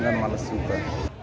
kan males juga